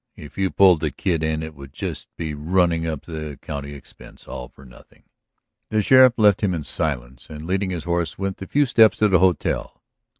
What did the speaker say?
If you pulled the Kid it would just be running up the county expense all for nothing." The sheriff left him in silence and leading his horse went the few steps to the hotel.